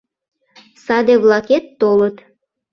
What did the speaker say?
Саде-влакет толыт.